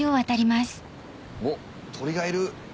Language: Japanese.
おっ鳥がいる！